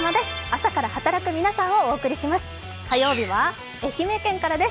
朝から働く皆さん」をお送りします。